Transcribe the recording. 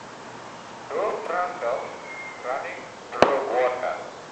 Two brown dogs running through water.